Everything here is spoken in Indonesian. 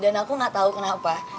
dan aku gak tau kenapa